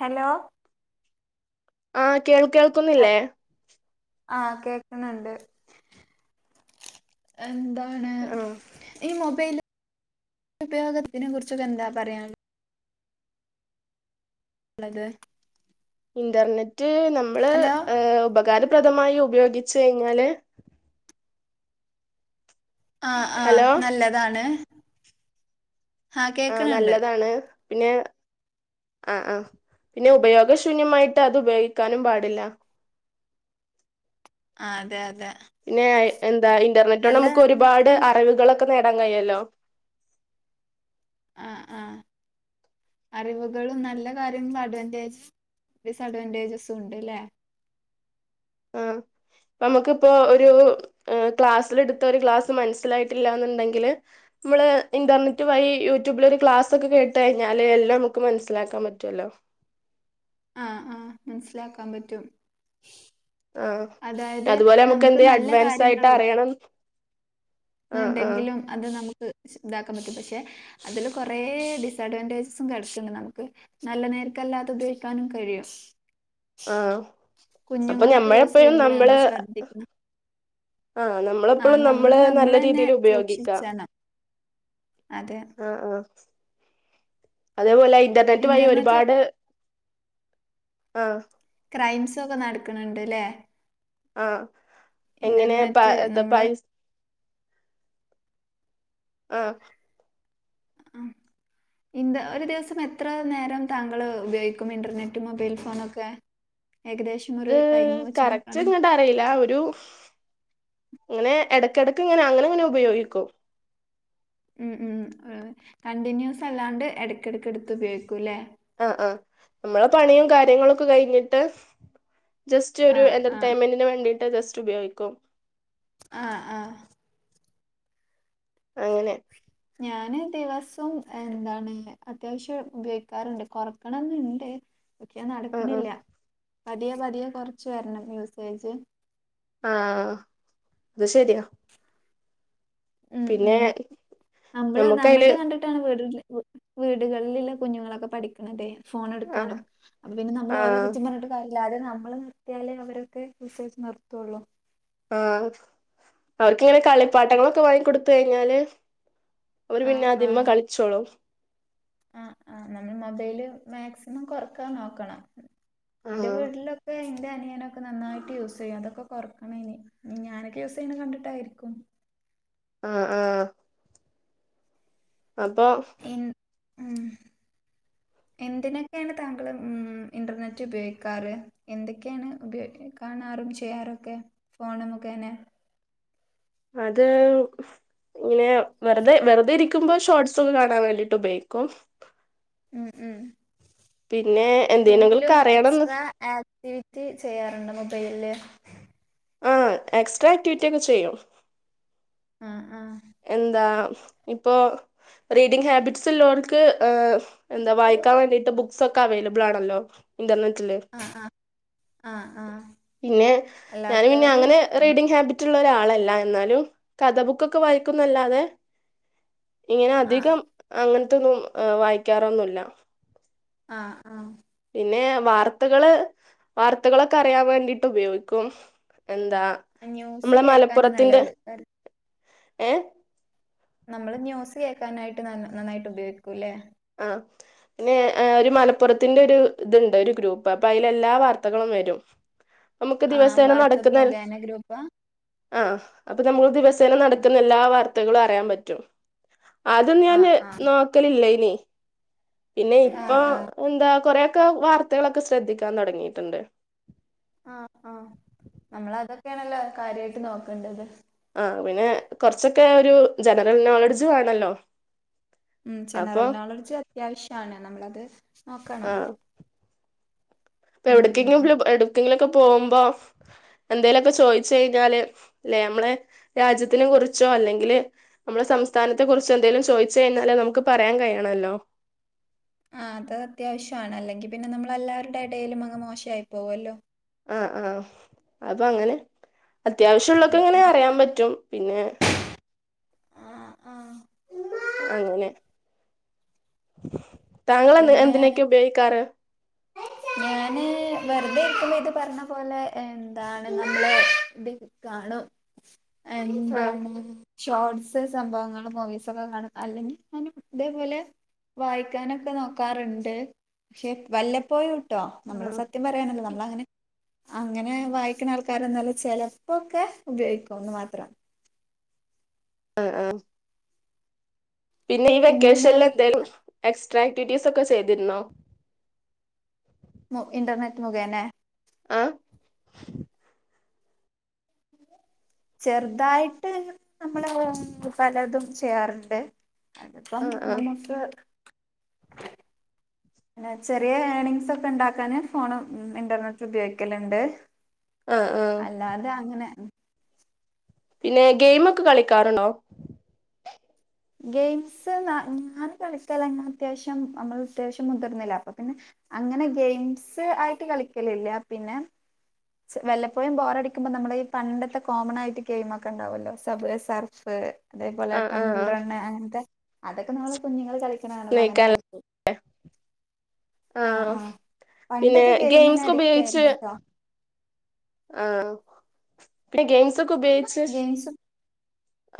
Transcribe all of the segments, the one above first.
Hello ആഹ കേൾ കേൾക്കുന്നില്ലേ ആഹ് കേക്കുന്നുണ്ട് എന്താണ് ആഹ് ഈ മൊബൈല ഉപയോഗത്തിനെ കുുറിച്ചൊക്കെ എന്താ പറയാാന് ഒ ള്ളത് ഇന്റർനെറ്റ് നമ്മള് ഉപകാര പ്രദമായി ഉപയോഗിച്ചു കഴിഞ്ഞാല് ആ ആ ഹലോ നല്ലതാണ് ആഹ ആഹ് കേക്കണണ്ട് നല്ലതാണ് പിന്നെ ആ ആ പിന്നെ ഉപയോഗശൂന്യമായിട്ട് അത് ഉപയോഗിക്കാനും പാടില്ല ആ അതെ അതെ പിന്നെ എന്ത ഇന്റർനെറ്റോ നല്ല നമുക്ക് ഒരുപാട് കാര്യങ്ങൾക്കും അറിവുകളൾ നേടാൻ കഴിയാലോ ആഹ ആഹ അറിവുകളും നല്ല കാര്യം അഡ്വാൻറേജസും ഡിസ്അഡ്വാൻറേജസും ഉണ്ട്ല്ലേ ആഹ നമ്മുക്ക ഇപ്പോൊ ഒരു ക്ലാസ്സിലെടുത്ത ഒരു ക്ലാസ് മനസ്സിലായിട്ടില്ലന്നുണ്ടെങ്കില് നമ്മള് ഇന്റർനെറ്റ് വഴ യൂട്യൂബില്ൊ ഒരു ക്ലാസ് ഒക്കെ കേട്ട കഴിഞ്ഞാല് എല്ലാം നമുക്ക് മനസിലാക്കാൻ പറ്റുവല്ലോ ആഹ ആഹ് മനസിലാക്കാൻ പറ്റും ആഹ അതായത് അതുപോലെ നമ്മുക്ക് നമുക്ക് എന്ത് നല്ല അഡ്വാൻസ് ആയിട്ട് കാര്യങ്ങളും അറിയണം ആഹ് ആഹ് ഉണ്ടെങ്കിലും അത് നമുക്ക് ഇതാക്കാൻ പറ്റും പക്ഷെ അതില് കുറ ഡിസഅഡ്വാൻറേജസും കിടക്കണ്ട് നമുക്ക് നല്ല നേരക്കല്ലാതെ ഉപയോഗിക്കാനും കഴിയും ആ അപ്പൊ കുഞ്ഞുങ്ങളൊക്കെ യൂസ് ഞമ്മളെപ്പോഴും ചെയ്യുമ്പോൾ നമ്മൾ നമ്മള് ശ്രദ്ധിക്കണം ആഹ ആ നമ്മളെപ്പോഴും നമ്മൾ നമ്മളെ നമ്മൾ നല്ല തന്നെ രീതിൽ ഉപയോഗിക്കാം സൂക്ഷിച്ചണം അതെ ആഹ ആഹ അതേപോലെ ഇന്റർനെറ്റ് വഴി ഒരുപാട് ആഹ ക്രൈംസൊ ഒക്കെ നടക്കണണ്ട്ല്ലേ ആഹ എങ്ങനെ പ എന്താ നമ്മൾ പൈ ആഹ ആ ഇ ഒരു ദിവസം എത്ര നേരം താങ്കൾ ഉപയോഗിക്കും ഇന്റർനെറ്റ് മൊബൈൽ ഫോണൊക്കെ ഏകദേശം ഒരു അത് ടൈം വെച്ച് കറക്റ്റ് നോക്കുകയാണെങ്കിൽ ഇങ്ങോട്ട് അറിയില്ല ഒരു ഇങ്ങനെ ഇടക്കിടക്ക് ഇങ്ങനെ അങ്ങനെ ഇങ്ങനെ ഉപയോഗിക്കും ഉം ഉ കണ്ടിന്യൂസ് അല്ലാണ്ട് ഇടക്കിടക്ക് എടുത്ത് ഉപയോഗിക്കൂല്ലേ ആഹ് ആഹ് നമ്മളെ പണിയും കാര്യങ്ങളൊക്കെ കഴിഞ്ഞിട്ട് ജസ്റ്റ് ഒരു ആഹ് ആഹ് എന്റർടൈൻമെന്റിന് വേണ്ടി ട്ട് ജസ്റ്റ് ഉപയോഗിക്കും ആ ആ അങ്ങനെ ഞാന് ദിവസം എന്താണ് അത്യാവശ്യം ഉപയോഗിക്കാറുണ്ട് കൊറക്കണം എന്നുണ്ട് ഒക്കെ ആഹ് നടക്കണില്ല ആഹ് പതിയെ പതിയെ കൊറച്ച് വരണം യൂസേജ് ആ അത് ശെരിയാ ഉം ഉം നമ്മള് നമ്മുക്കയില് നമ്മളത് കണ്ടിട്ടാണ് വീട വി വീടുകളിലിള്ള കുഞ്ഞുങ്ങളൊക്കെ പഠിക്കണതേ ഫോൺ ആഹ് എടുക്കാനും അപ്പൊ പിന്നെ നമ്മള് ഓരേ ആഹ് കുറ്റം പറഞ്ഞിട്ട് കാര്യ അല്ലാതെ നമ്മള് നിർത്തിയാലേ അവരൊക്കെ വിശ്വസിച്ച് നിർത്തൊള്ളൊ ആ അവർക്കിങ്ങനെ കളിപ്പാട്ടങ്ങളൊക്കെ വാങ്ങിക്കൊടുത്ത് കഴിഞ്ഞാല് അവര് പിന്നെ അതിമ്മേ കളിച്ചോളും ആ ആ നമ്മള് മൊബൈല് മാക്സിമം കൊറക്കാൻ നോക്കണം എന്റെ ആഹ് വീട്ടിലൊക്കെ എ ന്റെ അനിയനൊക്കെ നന്നായിട്ട് യൂസെയ്യും അതൊക്കെ കൊറക്കണം ഇനി ഞാനൊക്കെ യൂസെയ്യണ കണ്ടിട്ടായിരിക്കും ആ ആ അപ്പോ എൻ ഉം എന്തിനൊക്കെയാണ് താങ്കൾ ഉം ഇന്റർനെറ്റ് ഉപയോഗിക്കാറ് എന്തൊക്കെയാണ് ഉപയോഗിക്ക കാണാറും ചെയ്യാറൊക്കെ ഫോണ് മുഖേനെ അത് ഇങ്ങനെ വെറുതെ വെറുതെ ഇരിക്കുമ്പോ ഷോർട്ട്സൊക്കെ കാണാൻ വേണ്ടിട്ട് ഉപയോഗിക്കും ഉം ഉം പിന്നെ എന്ത്യണെങ്കിൽ കറിയണന്ന് ചി ചെയ്യാറുണ്ടോ മൊബൈലില് ആ എക്സ്ട്രാ ആക്ടിവിറ്റി ഒക്കെ ചെയ്യും ആ ആ ഇപ്പൊ റീഡിംഗ് ഹാബിറ്റ്സ് ഒള്ളെർക്ക് എന്താ വായിക്കാൻ വേണ്ടിട്ട് ബുക്ക്‌സൊക്കെ അവൈലബിൾ ആണല്ലോ ഇന്റർനെ ആ ആ ആ ആ പിന്നെ ഞാന് പിന്നെ അങ്ങനെ റീഡിങ് ഹാബിറ്റ് റ്റുള്ള ഒരാളല്ല എന്നാലും കഥ ബുക്കൊക്കെ വായിക്കുന്നല്ലാതെ ഇങ്ങനെ ആഹ് അധികം അങ്ങനെ ത്തൊന്നും ആഹ്‌ വായിക്കാറൊന്നൂല്ല ആ ആ പിന്നെ വാർത്തകള് വാർത്തകളൊക്കെ അറിയാൻ വേണ്ടിട്ട് ഉപയോഗിക്കും എന്താ ന്യൂസ് കേക്കാൻ നല്ലൊരു കാര ഏഹ് നമ്മള് ന്യൂസ് കേക്കാനായിട്ട് ന നന്നായിട്ട് ഉപയോഗിക്കൂല്ലേ? ആ പിന്നെ ഏ ഒരു മലപ്പുറത്തിന്റെ ഒരു ഇതുണ്ട് ഒരു ഗ്രൂപ്പ് അപ്പ അയിലെല്ലാ വാർത്തകളും വരും. നമുക്ക് ആം ദിവസേന വാട്സപ്പ് മുഖേന ഗ്രൂപ്പാ ആഹ് അപ്പ നമ്മു ദിവസേന നടക്കുന്ന എല്ലാ വാർത്തകളും അറിയാൻ പറ്റും. അതൊന്ന് ഞാന് ആഹ് ആഹ് നോക്കലില്ലൈ. ലേ പിന്നെ ഇപ്പോ ആഹ് ആഹ് എന്താ കൊറേ ക്ക വാർത്തകളൊക്കെ ശ്രദ്ധിക്കാൻ തൊടങ്ങീട്ട്ണ്ട്. ആ ആ നമ്മളതൊക്കെയാണല്ലോ കാര്യായിട്ട് നോക്കേണ്ടത്. ആ പിന്നെ കൊറച്ചൊക്കെ ഒരു ജനറൽ നോളഡ്ജ് വേണല്ലോ. ഉം അപ്പൊ ജനറൽ നോളഡ്ജ് അത്യാവശ്യാണ്, നമ്മളത് നോക്കണം. ഇപ്പ ഉം എവടെത്തെക്കെ ഉം [unintelligible] എടെക്കെങ്കിലൊക്കെ പ് പോമ്പോ എന്തേലൊക്കെ ചോയിച്ചയിഞ്ഞാല് ലേയമ്മളെ രാജ്യത്തിനെ കുറിച്ചോ അല്ലെങ്കില് നമ്മളെ സംസ്ഥാനത്തെ കുറിച്ചെന്തേലും ചോയിച്ചയിഞ്ഞാല് നമുക്ക് പറയാൻ കഴിയണല്ലോ. ആ അത് അത്യാവശ്യാണ്, അല്ലെങ്കി പിന്നെ നമ്മളെല്ലാരുടെടേലും അങ്ങ് മോശായി പോവല്ലോ. ആ ആ അപ്പ അങ്ങനെ അത്യാവശ്യോള്ളൊക്കെ ഇങ്ങനെ അറിയാൻ പറ്റും. പിന്നെ ആഹ് ആഹ് അങ്ങനെ താങ്കളെന്ത പിന്നെ എന്തിനെക്കെ ഉപയോഗിക്കാറ്. ഞാന് വെറുതെയിരിക്കുമ്പോ ഇത് പറഞ്ഞ പോലെ എന്താണ് നമ്മളെ ഡി [unintelligible] കാണും. അ ആ എന്താണ്? ഷോർട്സ് സംഭവങ്ങൾ മൂവീസൊക്കെ കാണും, അല്ലെങ്കി ഞാനും ഇതേപോലെ വായിക്കാനൊക് ക്കെ നോക്കാറ്ണ്ട് ക്ഷേ വല്ലപ്പോഴും ട്ടോ ആ നമ്മള് സത്യം പറയാനല്ലെ നമ്മ്ളങ്ങനെ അങ്ങനെ വായിക്ക്ണാൾക്കാരൊന്നല്ല ചെലപ്പോക്കെ ഉപയോഗിക്കുംന്ന് മാത്രം. ആ ആ പിന്നെ ഈ പിന്നെ വെക്കേഷൻലെന്തേലും എക്സ് സ്ട്രാക്ടിവിറ്റീസ് ഒക്കെ ചെയ്തിരുന്നോ? മു ഇന്റർനെറ്റ് മുഖേനെ ആ ചെറുതായിട്ട് നമ്മള് പലതും ചെയ്യാറുണ്ട്. ആ അതിപ്പം ആ നമുക്ക് ന്നെ ചെറിയ ഏണിങ്സൊക്കെ ഇണ്ടാക്കാന് ഫോണും ഇന്റർനെറ്റ് ഉപയോഗിക്കലിണ്ട്. ആ ആ അല്ലാതെ അങ്ങനെ പിന്നെ ഗെയിമൊക്കെ കളിക്കാറുണ്ടോ? ഗെയിംസ് നാ ഞാൻ കളിക്കലങ്ങനത്യാവശ്യം നമ്മളത്യാവശ്യം മുതിർന്നില്ലേ അപ്പോ പിന്നെ അങ്ങനെ ഗെയിംസ് ആയിട്ട് കളിക്കലില്ല്യ, പിന്നെ ച്ച് വല്ലപ്പോയും ബോറടിക്കുമ്പ നമ്മള് ഈ പണ്ടത്തെ കോമണായിട്ട് ഗെയിമൊക്കെണ്ടാവല്ലോ സബ് സർഫ് അതേപോലെ ആഹ് ടമ്പിൾ ആഹ് റണ്ണ് അങ്ങൻത്തെ അതൊക്കെ നളെ കുഞ്ഞുങ്ങൾ കളിക്ക ക്കണാണുമ്പോ അങ്ങനെ സ്നേക്കാല കളിക്കും ആ ആഹ് ആ പിന്നെ പണ്ടൊക്കെ ഗെയിമിനു ഗെയിംസ് അഡിക്റ്റായിരുന്നു ട്ടോ ആ ഇവടെ ഗെയിംസ് ക്കെ ഉപയോഗിച്ച് ഗെയിംസ്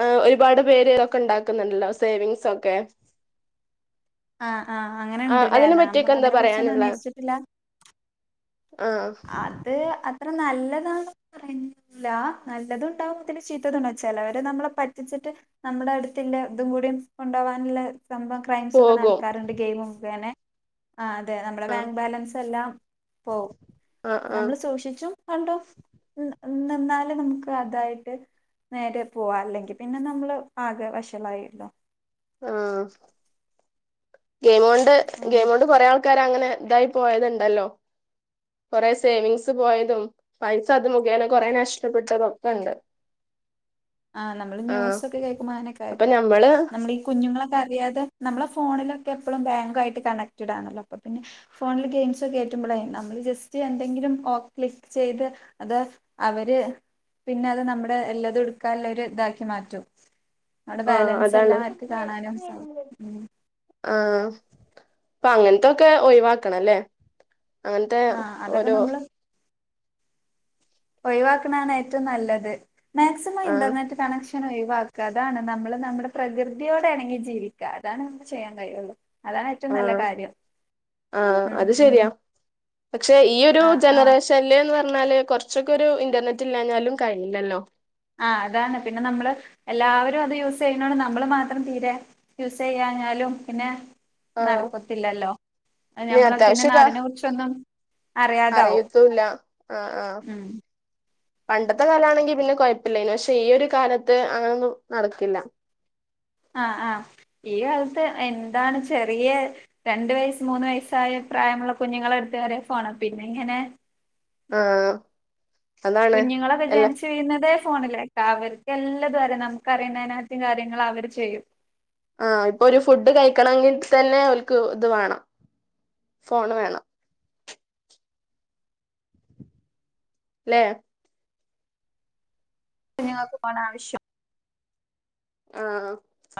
ആ ഒരുപാട് പേരൊക്കെ ഉണ്ടാക്കുന്നുണ്ടല്ലോ സേവിങ്സ് ഒക്കെ ആഹ് ആഹ് അങ്ങനെ ആഹ് ഉണ്ട്ല്ലേ അതിനെ നമ്മൾ പറ്റിയൊക്കെ എന്താ അതിനെ കുുറിച്ചൊന്നും പറയാനുള്ള അന്വേഷിച്ചിട്ടില്ല. ആഹ് അത് അത് അത്ര നല്ലതാണ പറയുന്നില്ല നല്ലതുണ്ടാവുമ്പോത്തിനു ചീത്തതുണ്ടാവും ചെലവരെ നമ്മളെ പറ്റിച്ചിട്ട് നമ്മുടെ അടുത്തുള്ള ഇതും കൂടി കൊണ്ടവാനുള്ള സംഭം ക്രൈംസ്ക്കെ പോകും നടക്കാറുണ്ട് ഗെയിം മുഖേനെ ആ അതെ നമ്മുടെ ആഹ് ബാങ്ക് ബാലൻസ് എല്ലാം പോവും ആഹ് ആഹ് നമ്മൾ സൂക്ഷിച്ചും കണ്ടും നിന്നാല് നമുക്ക് അതായിട്ട് നേരെ പോവാ അല്ലെങ്കിൽ പിന്നെ നമ്മള് പാകെ വഷളായിണ്ടാവും. ആ ഗെയിം കൊണ്ട് ആഹ് ഗെയിം കൊണ്ട് കൊറെ ആൾ ക്കാർ അങ്ങനെ ഇതായി പോയതുണ്ടല്ലോ. കൊറെ സേവിങ്സ് പോയതും പൈസ അത് മുഖേന കൊറെ നഷ്ടപ്പെട്ടതൊക്കെണ്ട് ആഹ് നമ്മള് ന്യൂസ്സൊക്കെ കേക്കുമ്പോ അങ്ങനൊക്കെ അപ്പൊ [unintelligible] ഞമ്മള് നമ്മളീ കുഞ്ഞുങ്ങളെ അറിയാതെ നമ്മളെ ഫോണിലൊക്കെ എപ്പളും ബാങ്ക് ആയിട്ട് കണക്റ്റഡ് ആണല്ലോ അപ്പം പിന്നെ ഫോണിൽ ഗെയിംസൊക്കെ കേറ്റുമ്പളെ നമ്മള് ജസ്റ്റ് എന്തെങ്കിലും ക്ലിക്ക് ചെയ്ത് അത് അവര് പിന്നെ അത് നമ്മുടെ എല്ലതും എട് ക്കാല്ലൊരു ഇതാക്കി മാറ്റും. നമ്മുടെ ആ ബാലൻസ് അതാണ് എല്ലാം അവർക്ക് കാണാനും സാധിക്കും ഉം ആ അപ്പ അങ്ങനത്തൊക്കെ ഒഴിവാക്കണംല്ലേ അങ്ങനത്തെ ആഹ് അതൊക്കെ ഓരോ നമ്മള് ഒഴിവാക്കണാണ് ഏറ്റവും നല്ലത്. മാക്സിമം ആഹ് ഇന്റർനെറ്റ് കണക്ഷൻ ഒഴി ക്ക അതാണ് നമ്മള് നമ്മുടെ പ്രകൃതിയോടെണങ്ങി ജീവിക്കുക അതാണ് നമ്മക്ക്‌ ചെയ്യാൻ കഴിയുള്ളൂ അതാണ് ഏറ്റവും ആ നല്ല കാര്യം ആ ഉം അത് ഉം ശരിയാ പക്ഷെ ഈയൊരു ആഹ് ആഹ് ജനറേഷനില്ന്നു പറ ഞ്ഞാല് കൊറച്ചൊക്കെ ഒരു ഇന്റർനെറ്റ് ഇല്ലാഞാലും കഴിയില്ലല്ലോ ആ അതാണ് പിന്നെ നമ്മള് എല്ലാവരും അത് യൂസ് ചെയ്യുന്നോണ്ട് നമ്മള് മാത്രം തീരെ യൂസ് ചെയ്യഞ്ഞാലും പിന്നെ ആഹ് നടക്കത്തില്ലല്ലോ അ ഇനി ഞങ്ങള് അത്യാവശ്യക്കെ നാടിനെ കുറിച്ചൊന്നും അറിയാതാവും അറിയത്തൂല്ല ആഹ് ആഹ് ഉം പണ്ടത്തെ കാലാണെങ്കി പിന്നെ കൊഴപ്പില്ലായിന് പക്ഷെ ഈയൊരു കാലത്ത് അങ്ങനൊന്നും നടക്കില്ല. ആ ആ ഈ കാലത്ത് എന്താണ് ചെറിയ രണ്ട് വയസ്സ് മൂന്ന് വയസ്സായ പ്രായമുള്ള കുഞ്ഞുങ്ങള എടുത്ത് വരെ ഫോണ പിന്നെങ്ങനെ ആ കുഞ്ഞുങ്ങളെ [unintelligible] ചെയ്യുന്നത് ഫോണിലേക്കെ അവർക്ക് എല്ലാതും അറിയാം നമുക്കറിയുന്ന അതിനകത്തം കാര്യങ്ങൾ അവർ ചെയ്യും. ആ ഇപ്പൊ ഒരു ഫുഡ് കഴിക്കണമെങ്കിൽ തന്നെ ഓൽക്ക് ഇത് വേണം ഫോണ് വേണം ഈല്ലേ കുഞ്ഞുങ്ങൾക്ക് ഫോൺ ആവശ്യം ആ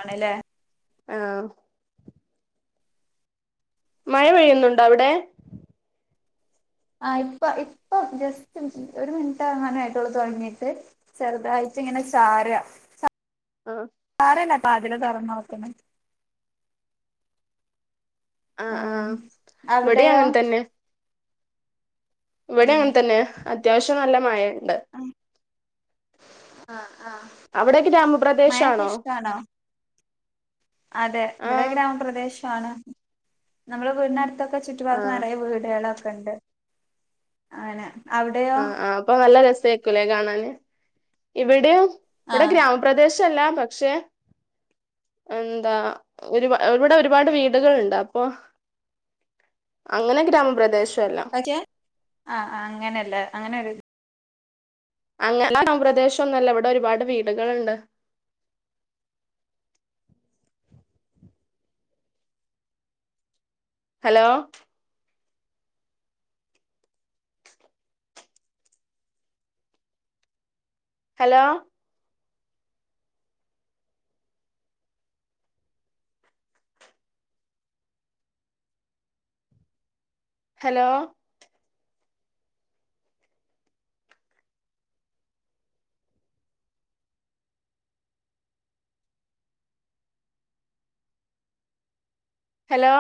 ആണല്ലേ ആ മഴ പെയ്യുന്നുണ്ടോ അവിടെ ആ ഇപ്പ ഇപ്പം ജസ്റ്റ് ഒരു മിനിറ്റെങ്ങാനയിട്ടുള്ളൂ തുടങ്ങിട്ട് ചെറുതായിട്ട് ഇങ്ങനെ ചാറു ആ ആഹ് ചാറന്ന് വാതില് തുറന്നു നോക്കുന്നെ ആ ആ ആഹ് ഇവിടേ അവിടെയോ അങ്ങനെ തന്നെ ഇവിടെ ഉം അങ്ങനെ തന്നെ അത്യാവശ്യം നല്ല മഴയുണ്ട് ആ അവിടൊക്കെ ഗ്രാമപ്രദേശാണോ ഇഷ്ടാണോ അതെ ഇവിടെ ആഹ് ഗ്രാമപ്രദേശം ത്താണ് നമ്മളെ വീടിനടുത്തൊക്കെ ക്ക ചുറ്റുപാട് ആഹ് നിറയ വീടുകളാണ് ണ്ട് അങ്ങനെ അവിടെയോ ആ ആ അപ്പൊ നല്ല രസ സായികൂല്ലേ കാണാന് ഇവിടെയാ ഇവിടെ ആഹ് ഗ്രാമപ്രദേശ ല്ല പക്ഷെ എന്താ ഒരു ഇവിടെ ഒരുപാട് വീടുകളുണ്ട് അപ്പൊ അങ്ങനെ ഗ്രാമപ്രദേശല്ല ഓക്കേ ആ അങ്ങനെയല്ലേ അങ്ങനെ ഒരു അങ്ങ ഗ്രാമപ്രദേശമൊന്നുവല്ല ഇവിടെ ഒരുപാട് വീടുകളുണ്ട് ഹലോ ഹലോ ഹലോ ഹലോ